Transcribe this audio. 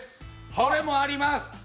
それもあります。